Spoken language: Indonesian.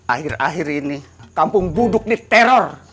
akhir akhir ini kampung buduk ini teror